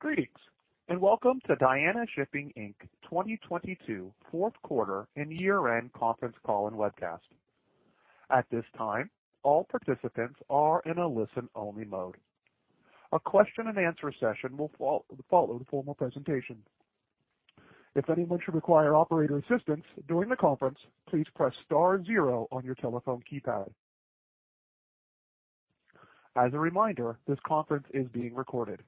Greetings, and welcome to Diana Shipping Inc. 2022 fourth quarter and year-end conference call and webcast. At this time, all participants are in a listen-only mode. A question and answer session will follow the formal presentation. If anyone should require operator assistance during the conference, please press star zero on your telephone keypad. As a reminder, this conference is being recorded.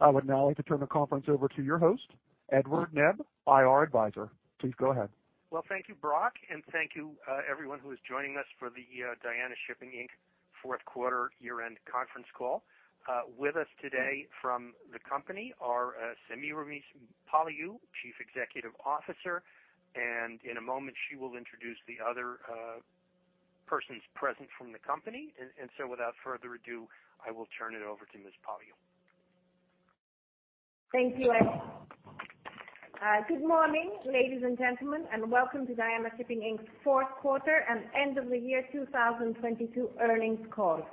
I would now like to turn the conference over to your host, Edward Nebb, IR advisor. Please go ahead. Well, thank you, Brock, and thank you, everyone who is joining us for the Diana Shipping Inc. fourth quarter year-end conference call. With us today from the company are Semiramis Paliou, Chief Executive Officer, and in a moment, she will introduce the other persons present from the company. Without further ado, I will turn it over to Ms. Paliou. Thank you, Ed. Good morning, ladies and gentlemen, and welcome to Diana Shipping Inc.'s fourth quarter and end of the year 2022 earnings call.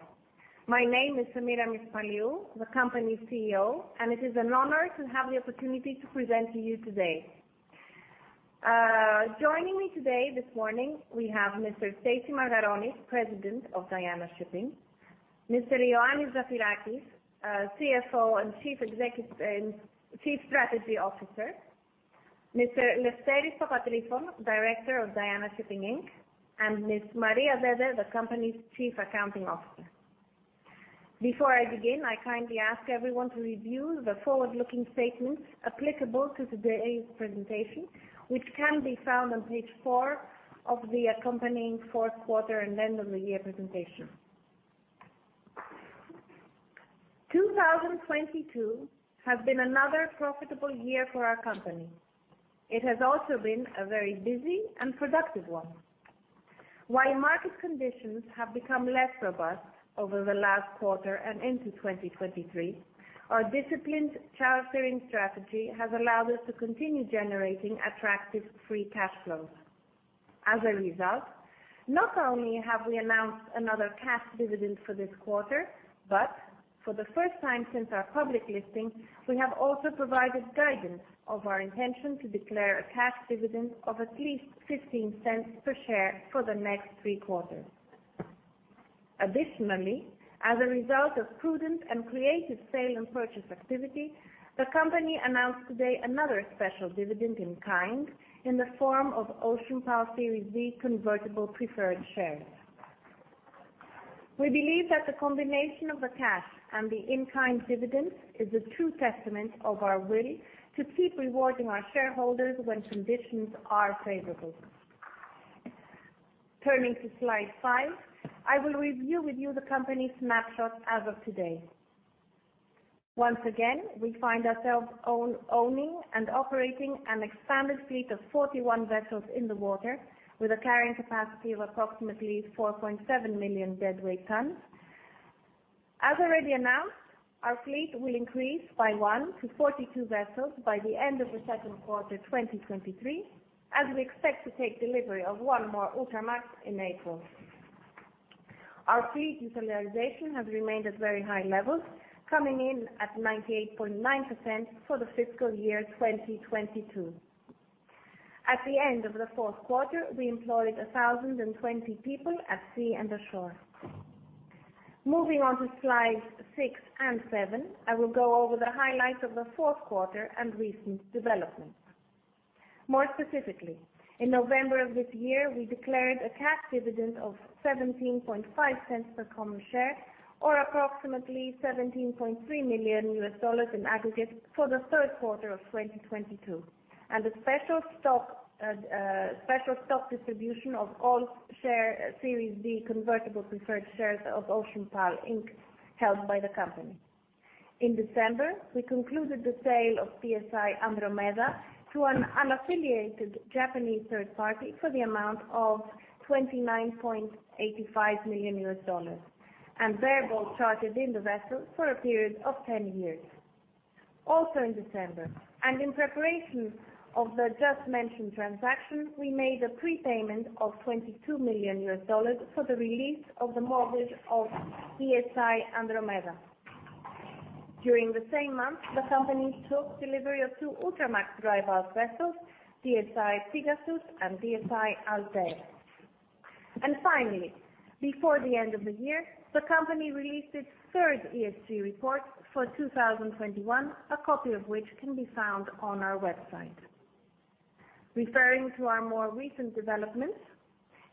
My name is Semiramis Paliou, the company's CEO, and it is an honor to have the opportunity to present to you today. Joining me today this morning, we have Mr. Anastasios Margaronis, President of Diana Shipping. Mr. Ioannis Zafirakis, our CFO and Chief Strategy Officer. Mr. Eleftherios Papatrifon, Director of Diana Shipping Inc. And Ms. Maria Dede, the company's Chief Accounting Officer. Before I begin, I kindly ask everyone to review the forward-looking statements applicable to today's presentation, which can be found on page four of the accompanying fourth quarter and end of the year presentation. 2022 has been another profitable year for our company. It has also been a very busy and productive one. While market conditions have become less robust over the last quarter and into 2023, our disciplined chartering strategy has allowed us to continue generating attractive free cash flows. As a result, not only have we announced another cash dividend for this quarter, but for the first time since our public listing, we have also provided guidance of our intention to declare a cash dividend of at least $0.15 per share for the next three quarters. As a result of prudent and creative sale and purchase activity, the company announced today another special dividend in kind in the form of OceanPal Series B convertible preferred shares. We believe that the combination of the cash and the in-kind dividends is a true testament of our will to keep rewarding our shareholders when conditions are favorable. Turning to slide five, I will review with you the company's snapshot as of today. Once again, we find ourselves own-owning and operating an expanded fleet of 41 vessels in the water with a carrying capacity of approximately 4.7 million deadweight tons. As already announced, our fleet will increase by one to 42 vessels by the end of the second quarter 2023, as we expect to take delivery of one more Ultramax in April. Our fleet utilization has remained at very high levels, coming in at 98.9% for the fiscal year 2022. At the end of the fourth quarter, we employed 1,020 people at sea and ashore. Moving on to slides six and seven, I will go over the highlights of the fourth quarter and recent developments. More specifically, in November of this year, we declared a cash dividend of $0.175 per common share, or approximately $17.3 million in aggregate for the third quarter of 2022, and a special stock distribution of all share Series B convertible preferred shares of OceanPal Inc. held by the company. In December, we concluded the sale of DSI Andromeda to an unaffiliated Japanese third party for the amount of $29.85 million, and bareboat chartered in the vessel for a period of 10 years. In December, and in preparation of the just mentioned transaction, we made a prepayment of $22 million for the release of the mortgage of DSI Andromeda. During the same month, the company took delivery of two Ultramax dry bulk vessels, DSI Pegasus and DSI Altair. Finally, before the end of the year, the company released its third ESG report for 2021, a copy of which can be found on our website. Referring to our more recent developments,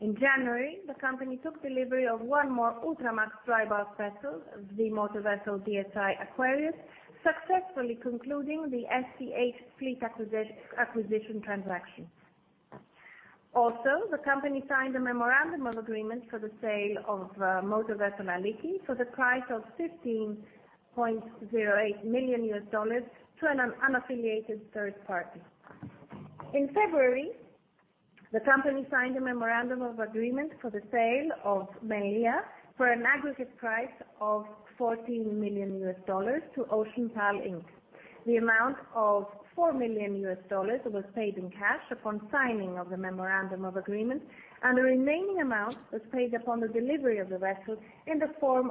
in January, the company took delivery of one more Ultramax dry bulk vessel, the motor vessel DSI Aquarius, successfully concluding the Stamford fleet acquisition transaction. Also, the company signed a memorandum of agreement for the sale of motor vessel Aliki for the price of $15.08 million to an unaffiliated third party. In February, the company signed a memorandum of agreement for the sale of Melia for an aggregate price of $14 million to OceanPal Inc. The amount of $4 million was paid in cash upon signing of the memorandum of agreement, the remaining amount was paid upon the delivery of the vessel in the form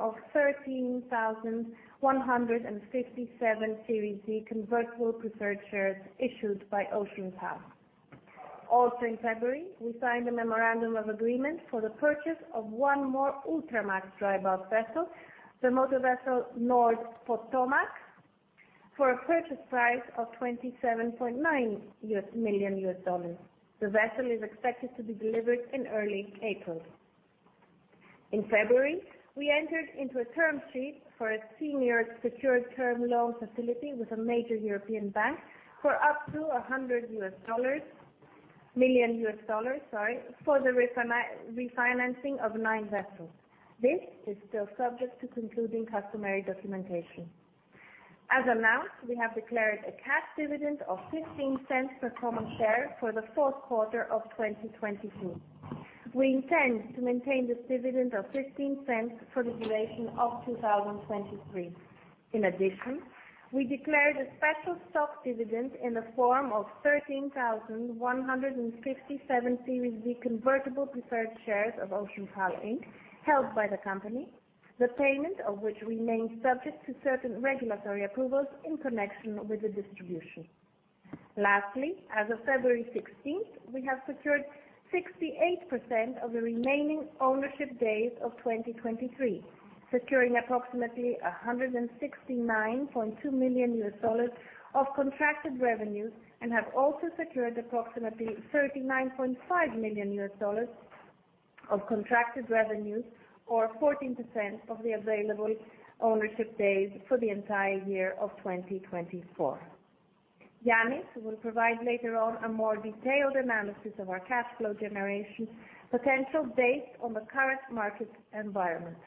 of 13,157 Series D convertible preferred shares issued by OceanPal. Also in February, we signed a memorandum of agreement for the purchase of one more Ultramax dry bulk vessel, the motor vessel Nord Potomac, for a purchase price of $27.9 million. The vessel is expected to be delivered in early April. In February, we entered into a term sheet for a senior secured term loan facility with a major European bank for up to $100 million for the refinancing of nine vessels. This is still subject to concluding customary documentation. As announced, we have declared a cash dividend of $0.15 per common share for the fourth quarter of 2022. We intend to maintain this dividend of $0.15 for the duration of 2023. In addition, we declared a special stock dividend in the form of 13,157 Series D convertible preferred shares of OceanPal Inc, held by the company, the payment of which remains subject to certain regulatory approvals in connection with the distribution. As of February 16th, we have secured 68% of the remaining ownership days of 2023, securing approximately $169.2 million of contracted revenues and have also secured approximately $39.5 million of contracted revenues or 14% of the available ownership days for the entire year of 2024. Ioannis will provide later on a more detailed analysis of our cash flow generation potential based on the current market environment.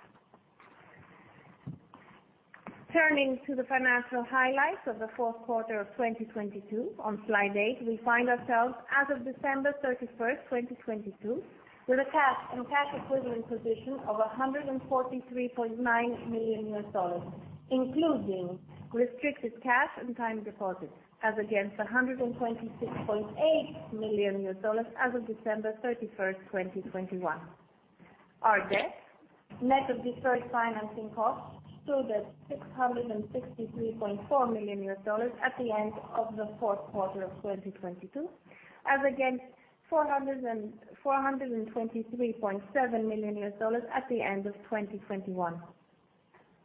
Turning to the financial highlights of the fourth quarter of 2022 on slide eight, we find ourselves as of December 31st, 2022, with a cash and cash equivalent position of $143.9 million, including restricted cash and time deposits, as against $126.8 million as of December 31st, 2021. Our debt, net of deferred financing costs, stood at $663.4 million at the end of the fourth quarter of 2022, as against $423.7 million at the end of 2021.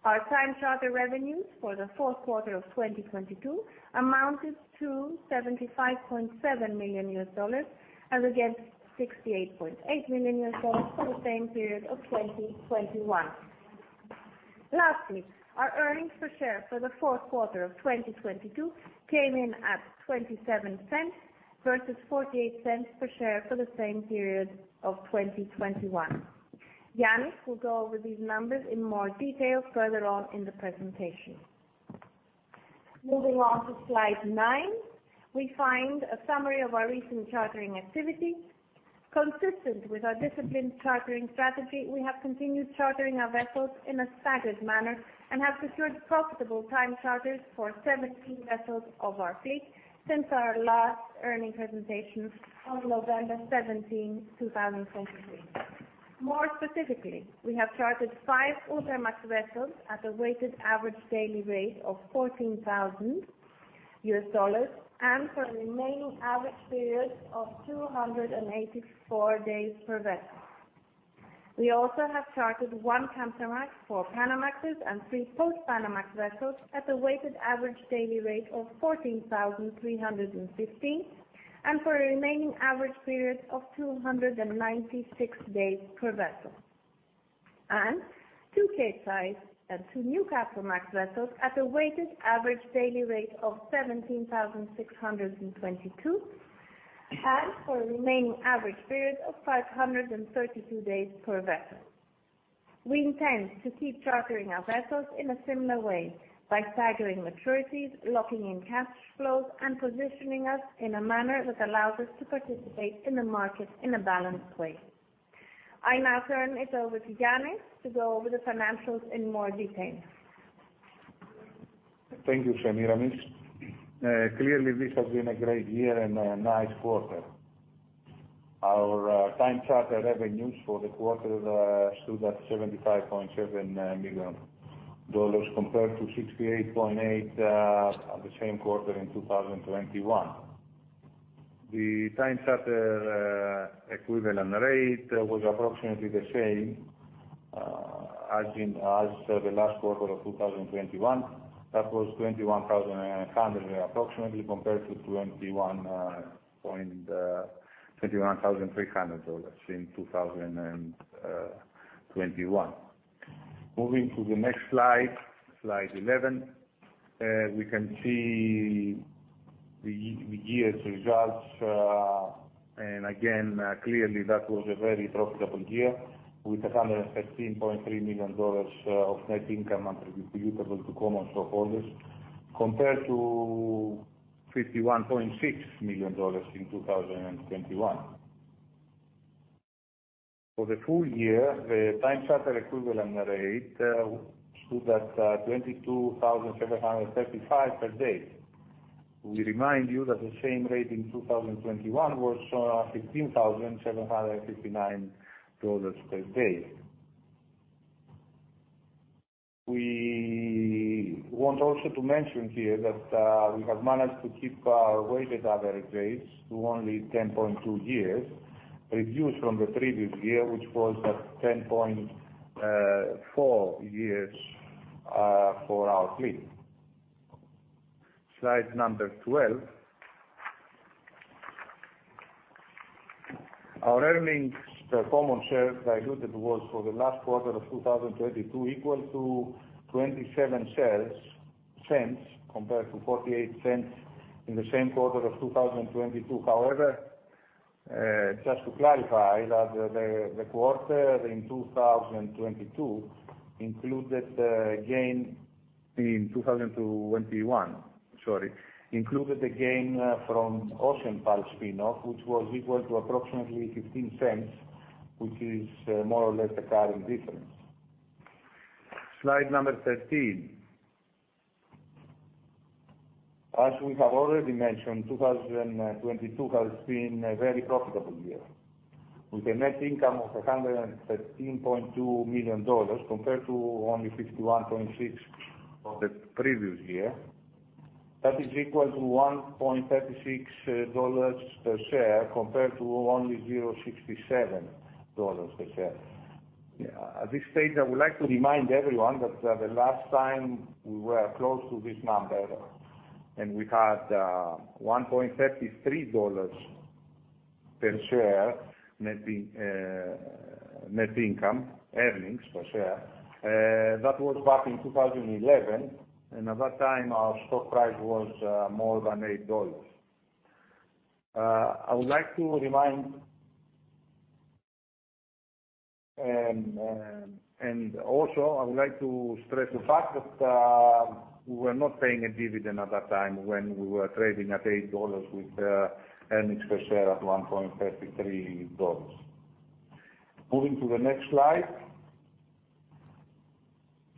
Our time charter revenues for the fourth quarter of 2022 amounted to $75.7 million, as against $68.8 million for the same period of 2021. Lastly, our earnings per share for the fourth quarter of 2022 came in at $0.27 versus $0.48 per share for the same period of 2021. Ioannis will go over these numbers in more detail further on in the presentation. Moving on to slide nine, we find a summary of our recent chartering activity. Consistent with our disciplined chartering strategy, we have continued chartering our vessels in a staggered manner and have secured profitable time charters for 17 vessels of our fleet since our last earning presentation on November 17, 2023. More specifically, we have chartered 5 Ultramax vessels at a weighted average daily rate of $14,000 and for a remaining average period of 284 days per vessel. We also have chartered 1 Panamax, 4 Panamaxes, and 3 Post-Panamax vessels at a weighted average daily rate of $14,315, and for a remaining average period of 296 days per vessel. Two K-size and 2 Newcastlemax vessels at a weighted average daily rate of $17,622, and for a remaining average period of 532 days per vessel. We intend to keep chartering our vessels in a similar way by staggering maturities, locking in cash flows, and positioning us in a manner that allows us to participate in the market in a balanced way. I now turn it over to Ioannis to go over the financials in more detail. Thank you, Semiramis Paliou. Clearly, this has been a great year and a nice quarter. Our time charter revenues for the quarter stood at $75.7 million compared to $68.8 million the same quarter in 2021. The time charter equivalent rate was approximately the same as the last quarter of 2021. That was 21,100 approximately compared to $21,300 in 2021. Moving to the next slide 11, we can see the year's results, again, clearly that was a very profitable year with $113.3 million of net income attributable to common stockholders compared to $51.6 million in 2021. For the full year, the time charter equivalent rate stood at $22,735 per day. We remind you that the same rate in 2021 was $16,759 per day. We want also to mention here that we have managed to keep our weighted average rates to only 10.2 years, reduced from the previous year, which was at 10.4 years for our fleet. Slide number 12. Our earnings per common share diluted was for the last quarter of 2022 equal to $0.27 compared to $0.48 in the same quarter of 2022. Just to clarify that the quarter in 2022 included a gain in 2021. Sorry. Included the gain from OceanPal spin-off, which was equal to approximately $0.15, which is more or less the current difference. Slide number 13. As we have already mentioned, 2022 has been a very profitable year with a net income of $113.2 million compared to only $51.6 million of the previous year. That is equal to $1.36 per share compared to only $0.67 per share. At this stage, I would like to remind everyone that the last time we were close to this number, and we had $1.33 per share net in net income earnings per share, that was back in 2011, and at that time, our stock price was more than $8. I would like to remind and also, I would like to stress the fact that we were not paying a dividend at that time when we were trading at $8 with earnings per share at $1.33. Moving to the next slide.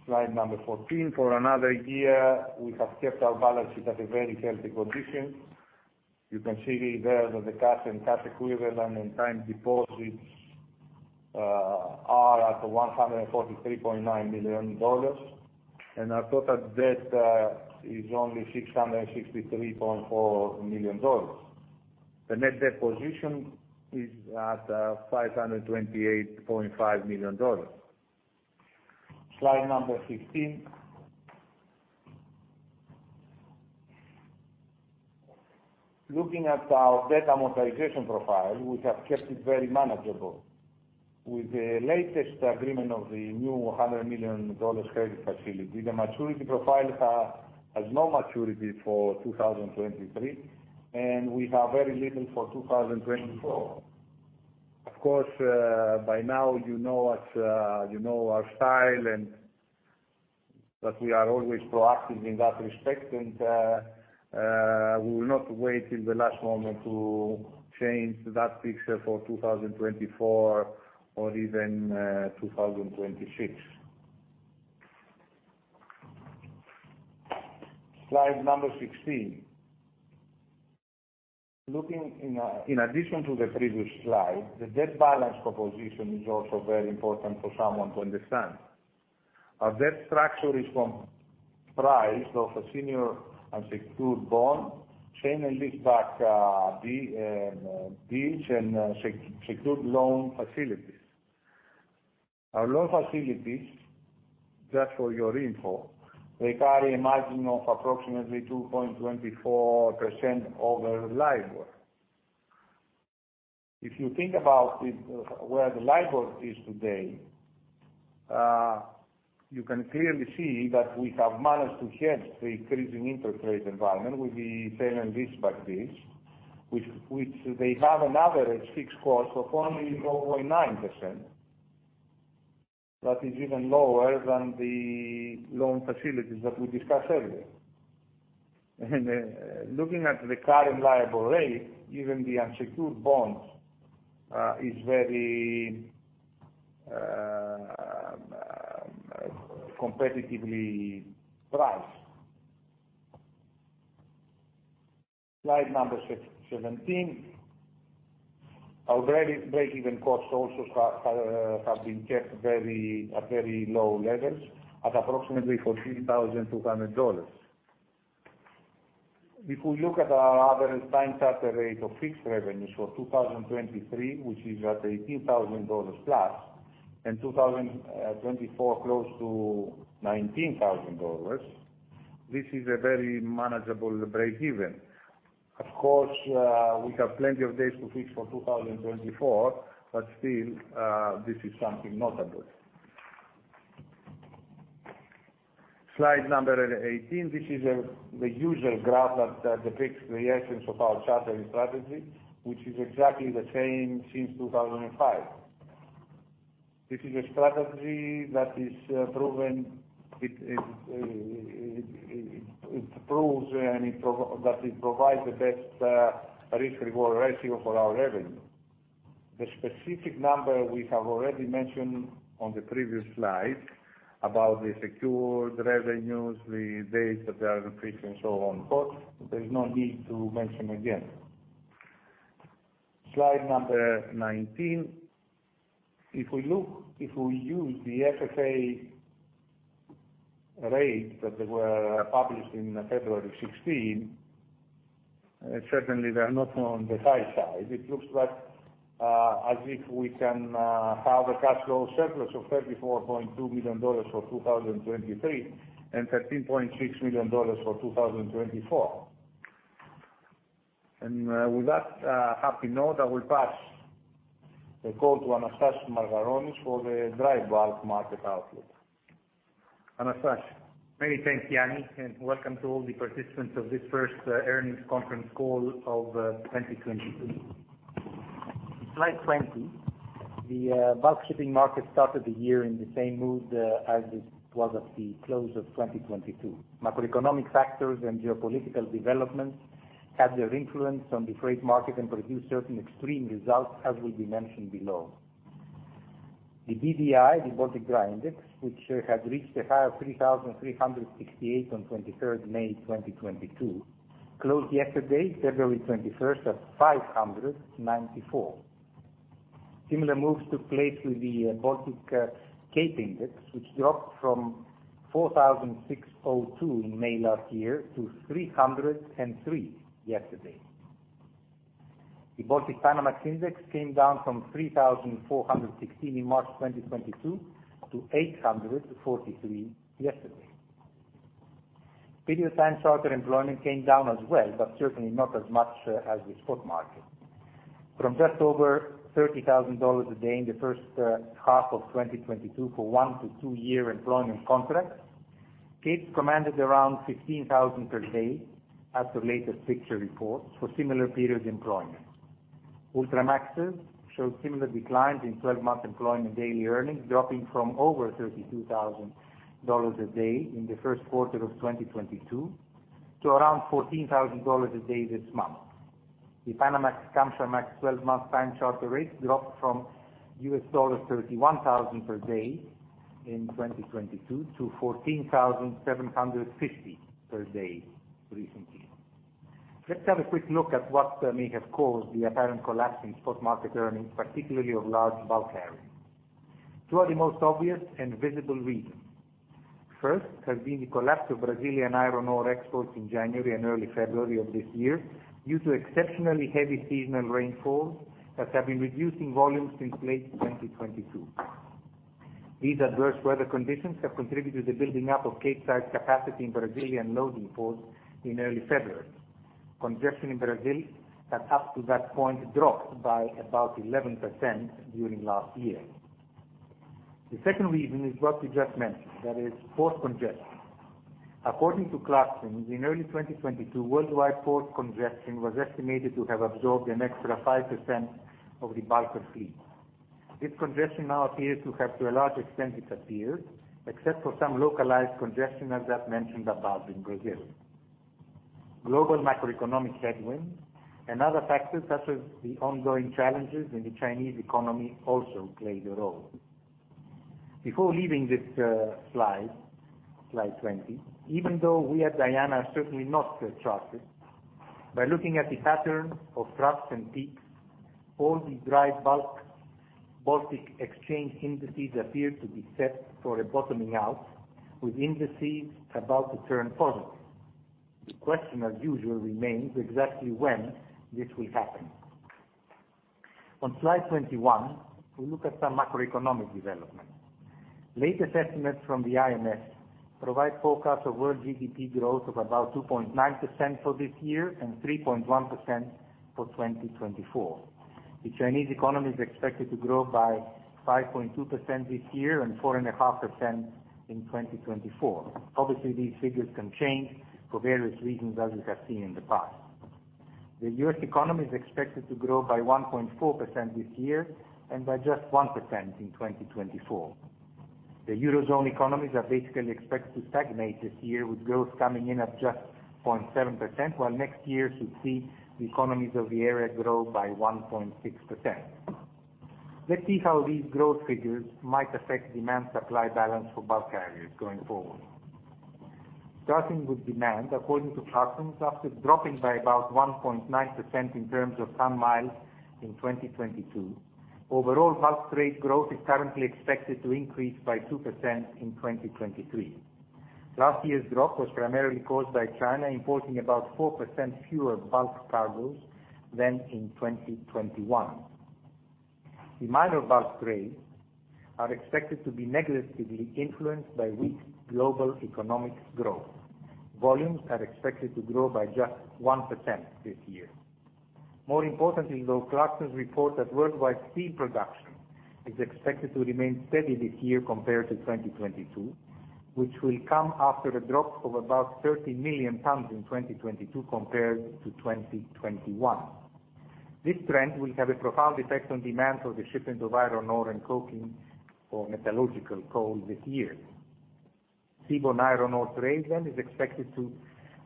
Slide number 14. For another year, we have kept our balance sheet at a very healthy condition. You can see there that the cash and cash equivalent and time deposits are at $143.9 million, and our total debt is only $663.4 million. The net debt position is at $528.5 million. Slide number 15. Looking at our debt amortization profile, we have kept it very manageable. With the latest agreement of the new $100 million credit facility, the maturity profile has no maturity for 2023, and we have very little for 2024. Of course, by now you know us, you know our style and that we are always proactive in that respect, and we will not wait till the last moment to change that picture for 2024 or even 2026. Slide number 16. Looking in addition to the previous slide, the debt balance proposition is also very important for someone to understand. Our debt structure is comprised of a senior unsecured bond, sale and lease back deals and secured loan facilities. Our loan facilities, just for your info, they carry a margin of approximately 2.24% over LIBOR. If you think about it, where the LIBOR is today, you can clearly see that we have managed to hedge the increasing interest rate environment with the sale and leaseback deals, which they have an average fixed cost of only 0.9%. That is even lower than the loan facilities that we discussed earlier. Looking at the current LIBOR rate, even the unsecured bonds is very competitively priced. Slide number 17. Our breakeven costs also have been kept very, at very low levels at approximately $14,200. If we look at our average time charter rate of fixed revenues for 2023, which is at $18,000+, and 2024, close to $19,000, this is a very manageable breakeven. Of course, we have plenty of days to fix for 2024, still, this is something notable. Slide number 18. This is the usual graph that depicts the essence of our chartering strategy, which is exactly the same since 2005. This is a strategy that is proven. It proves and it provides the best risk reward ratio for our revenue. The specific number we have already mentioned on the previous slide about the secured revenues, the dates that they are repricing so on. There's no need to mention again. Slide number 19. If we look, if we use the FFA rates that they were published in February 16, certainly they are not on the high side. It looks like, as if we can, have a cash flow surplus of $34.2 million for 2023, and $13.6 million for 2024. With that, happy note, I will pass the call to Anastasios Margaronis for the dry bulk market outlook. Anastasios. Many thanks, Ioannis. Welcome to all the participants of this first earnings conference call of 2022. Slide 20. The bulk shipping market started the year in the same mood as it was at the close of 2022. Macroeconomic factors and geopolitical developments had their influence on the freight market and produced certain extreme results, as will be mentioned below. The BDI, the Baltic Dry Index, which had reached a high of 3,368 on 23rd May 2022, closed yesterday, February 21st, at 594. Similar moves took place with the Baltic Cape Index, which dropped from 4,602 in May last year to 303 yesterday. The Baltic Panamax Index came down from 3,416 in March 2022 to 843 yesterday. Video time charter employment came down as well, certainly not as much as the spot market. From just over $30,000 a day in the first half of 2022 for 1-2 year employment contracts, Capes commanded around $15,000 per day at the latest fixture reports for similar periods employment. Ultramaxes showed similar declines in 12-month employment daily earnings, dropping from over $32,000 a day in the first quarter of 2022 to around $14,000 a day this month. The Panamax/Kamsarmax 12-month time charter rates dropped from $31,000 per day in 2022 to $14,750 per day recently. Let's have a quick look at what may have caused the apparent collapse in spot market earnings, particularly of large bulk carriers. Two are the most obvious and visible reasons. First has been the collapse of Brazilian iron ore exports in January and early February of this year, due to exceptionally heavy seasonal rainfalls that have been reducing volumes since late 2022. These adverse weather conditions have contributed to the building up of Capesize capacity in Brazilian loading ports in early February. Congestion in Brazil had up to that point dropped by about 11% during last year. The second reason is what you just mentioned, that is port congestion. According to Clarksons, in early 2022, worldwide port congestion was estimated to have absorbed an extra 5% of the bulk of fleet. This congestion now appears to have to a large extent disappeared except for some localized congestion, as I've mentioned above in Brazil. Global macroeconomic headwinds and other factors such as the ongoing challenges in the Chinese economy also played a role. Before leaving this slide 20, even though we at Diana are certainly not chartered, by looking at the pattern of troughs and peaks, all the dry bulk Baltic Exchange indices appear to be set for a bottoming out with indices about to turn positive. The question as usual remains exactly when this will happen. On slide 21, we look at some macroeconomic developments. Latest estimates from the IMF provide forecasts of world GDP growth of about 2.9% for this year and 3.1% for 2024. The Chinese economy is expected to grow by 5.2% this year and 4.5% in 2024. Obviously, these figures can change for various reasons as we have seen in the past. The US economy is expected to grow by 1.4% this year and by just 1% in 2024. The Eurozone economies are basically expected to stagnate this year, with growth coming in at just 0.7%, while next year should see the economies of the area grow by 1.6%. Let's see how these growth figures might affect demand supply balance for bulk carriers going forward. Starting with demand, according to Clarksons, after dropping by about 1.9% in terms of ton-miles in 2022, overall bulk trade growth is currently expected to increase by 2% in 2023. Last year's drop was primarily caused by China importing about 4% fewer bulk cargoes than in 2021. The minor bulk trades are expected to be negatively influenced by weak global economic growth. Volumes are expected to grow by just 1% this year. More importantly, though, Clarksons report that worldwide steel production is expected to remain steady this year compared to 2022, which will come after a drop of about 30 million tons in 2022 compared to 2021. This trend will have a profound effect on demand for the shipment of iron ore and coking or metallurgical coal this year. Seaborne iron ore trade is expected to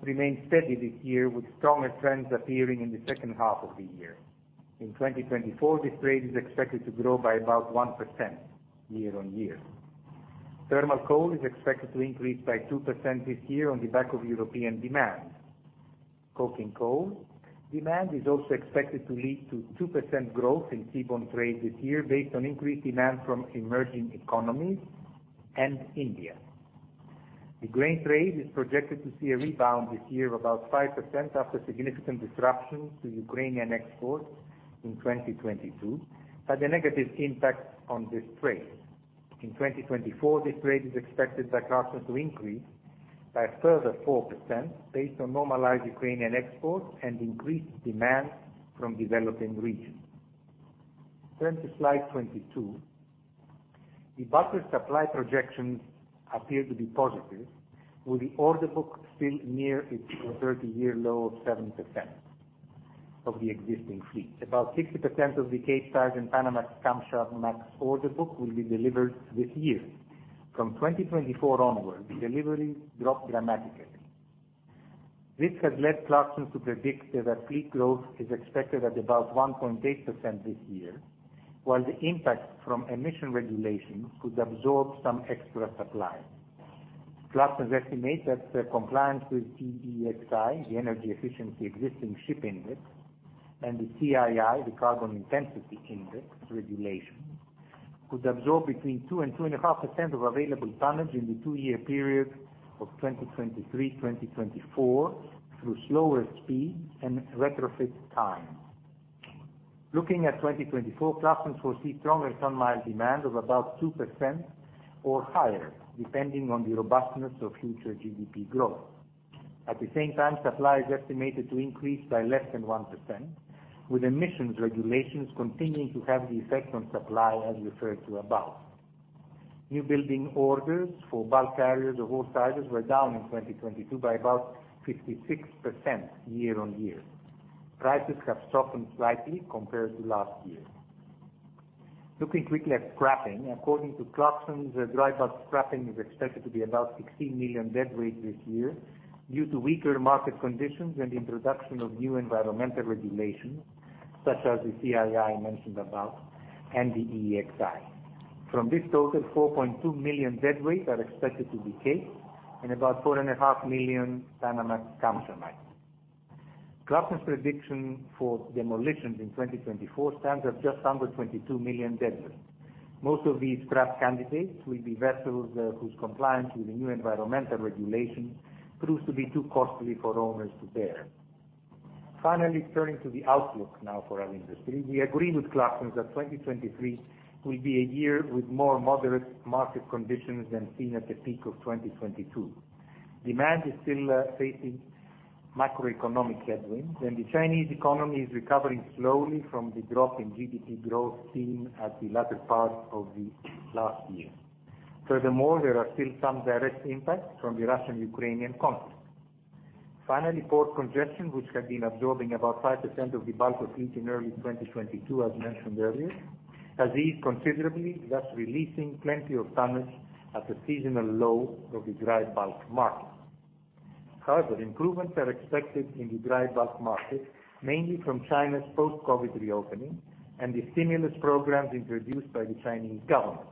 remain steady this year, with stronger trends appearing in the second half of the year. In 2024, this trade is expected to grow by about 1% year-on-year. Thermal coal is expected to increase by 2% this year on the back of European demand. Coking coal demand is also expected to lead to 2% growth in seaborne trade this year based on increased demand from emerging economies and India. The grain trade is projected to see a rebound this year of about 5% after significant disruptions to Ukrainian exports in 2022 had a negative impact on this trade. In 2024, this trade is expected by Clarksons to increase by a further 4% based on normalized Ukrainian exports and increased demand from developing regions. Turn to slide 22. The butter supply projections appear to be positive, with the order book still near its 30-year low of 7% of the existing fleet. About 60% of the Capesize and Panamax/Post-Panamax order book will be delivered this year. From 2024 onwards, the deliveries drop dramatically. This has led Clarksons to predict that fleet growth is expected at about 1.8% this year, while the impact from emission regulations could absorb some extra supply. Clarksons estimate that compliance with EEXI, the Energy Efficiency Existing Ship Index, and the CII, the Carbon Intensity Indicator regulation, could absorb between 2% and 2.5% of available tonnage in the 2-year period of 2023, 2024 through slower speed and retrofit time. Looking at 2024, Clarksons foresee stronger ton-mile demand of about 2% or higher, depending on the robustness of future GDP growth. The same time, supply is estimated to increase by less than 1%, with emissions regulations continuing to have the effect on supply, as referred to above. New building orders for bulk carriers of all sizes were down in 2022 by about 56% year-over-year. Prices have softened slightly compared to last year. Looking quickly at scrapping. According to Clarksons, dry bulk scrapping is expected to be about 16 million deadweight this year due to weaker market conditions and the introduction of new environmental regulations, such as the CII I mentioned above and the EEXI. From this total, 4.2 million deadweight are expected to be Capes and about 4.5 million Panamax/Post-Panamax. Clarksons prediction for demolitions in 2024 stands at just under 22 million deadweight. Most of these scrap candidates will be vessels whose compliance with the new environmental regulation proves to be too costly for owners to bear. Turning to the outlook now for our industry. We agree with Clarksons that 2023 will be a year with more moderate market conditions than seen at the peak of 2022. Demand is still facing macroeconomic headwinds. The Chinese economy is recovering slowly from the drop in GDP growth seen at the latter part of the last year. There are still some direct impacts from the Russian-Ukrainian conflict. Port congestion, which had been absorbing about 5% of the bulk of fleet in early 2022, as mentioned earlier, has eased considerably, thus releasing plenty of tonnage at the seasonal low of the dry bulk market. Improvements are expected in the dry bulk market, mainly from China's post-COVID reopening and the stimulus programs introduced by the Chinese government.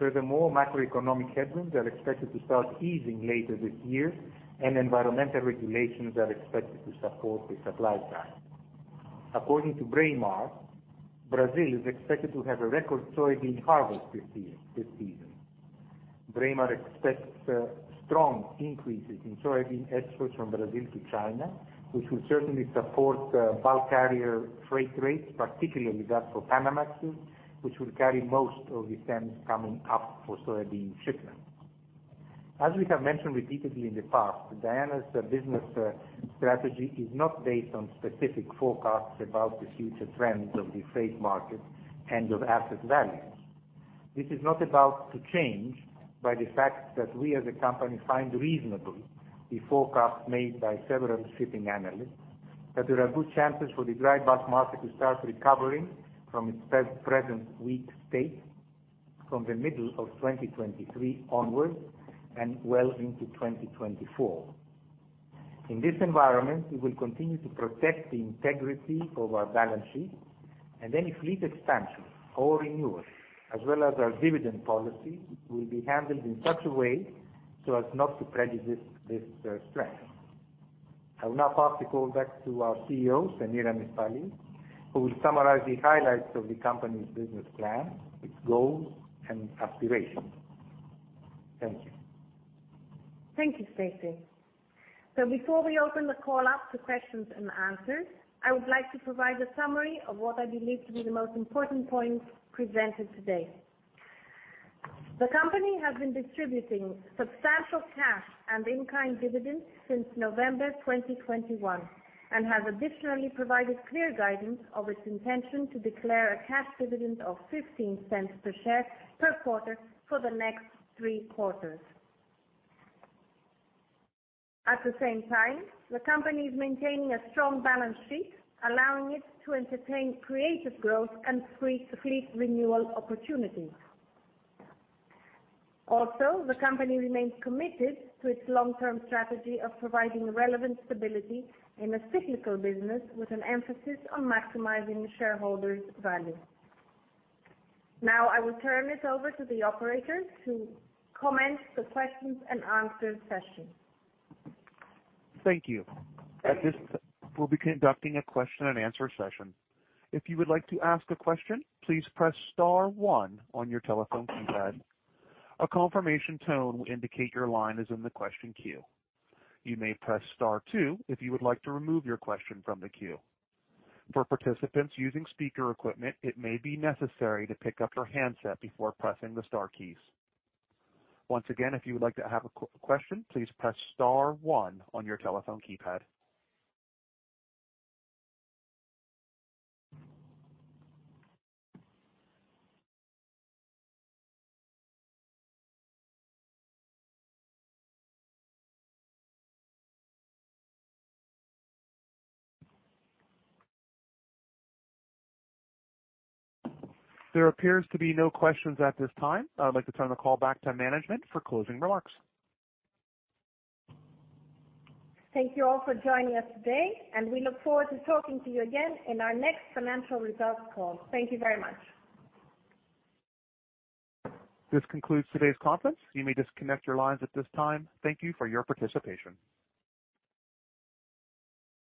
Macroeconomic headwinds are expected to start easing later this year. Environmental regulations are expected to support the supply side. According to Braemar, Brazil is expected to have a record soybean harvest this year, this season. Braemar expects strong increases in soybean exports from Brazil to China, which will certainly support bulk carrier freight rates, particularly that for Panamax, which will carry most of the stems coming up for soybean shipments. As we have mentioned repeatedly in the past, Diana's business strategy is not based on specific forecasts about the future trends of the freight market and of asset values. This is not about to change by the fact that we, as a company, find reasonable the forecast made by several shipping analysts that there are good chances for the dry bulk market to start recovering from its present weak state from the middle of 2023 onwards and well into 2024. In this environment, we will continue to protect the integrity of our balance sheet and any fleet expansion or renewal, as well as our dividend policy, will be handled in such a way so as not to prejudice this strength. I will now pass the call back to our CEO, Semiramis Paliou, who will summarize the highlights of the company's business plan, its goals and aspirations. Thank you. Thank you, Anastasios. Before we open the call up to questions and answers, I would like to provide a summary of what I believe to be the most important points presented today. The company has been distributing substantial cash and in-kind dividends since November 2021, has additionally provided clear guidance of its intention to declare a cash dividend of $0.15 per share per quarter for the next three quarters. At the same time, the company is maintaining a strong balance sheet, allowing it to entertain creative growth and fleet renewal opportunities. The company remains committed to its long-term strategy of providing relevant stability in a cyclical business with an emphasis on maximizing the shareholders' value. I will turn this over to the operator to commence the questions and answers session. Thank you. At this, we'll be conducting a question and answer session. If you would like to ask a question, please press star one on your telephone keypad. A confirmation tone will indicate your line is in the question queue. You may press star two if you would like to remove your question from the queue. For participants using speaker equipment, it may be necessary to pick up your handset before pressing the star keys. Once again, if you would like to have a question, please press star one on your telephone keypad. There appears to be no questions at this time. I'd like to turn the call back to management for closing remarks. Thank you all for joining us today. We look forward to talking to you again in our next financial results call. Thank you very much. This concludes today's conference. You may disconnect your lines at this time. Thank you for your participation.